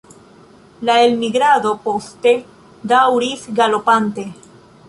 La elmigrado poste daŭris galopante.